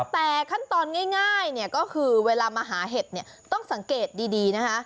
แต่ขั้นตอนง่ายก็คือเวลามาหาเห็ดต้องสังเกตดีนะคะ